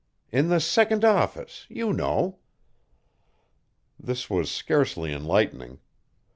In the second office, you know." This was scarcely enlightening.